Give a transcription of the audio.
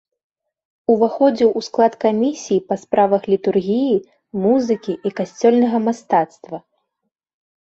Уваходзіў у склад камісіі па справах літургіі, музыкі і касцёльнага мастацтва.